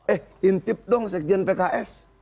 eh intip dong sekjen pks